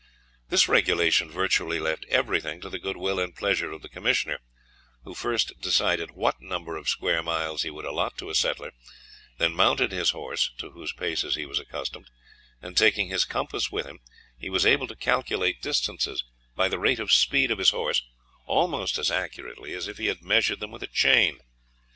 This regulation virtually left everything to the goodwill and pleasure of the commissioner, who first decided what number of square miles he would allot to a settler, then mounted his horse, to whose paces he was accustomed, and taking his compass with him, he was able to calculate distances by the rate of speed of his horse almost as accurately as if he had measured them with a chain.